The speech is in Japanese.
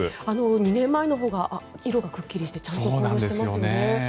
２年前のほうが色がくっきりしてちゃんと紅葉してますよね。